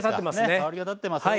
香りがたってますね。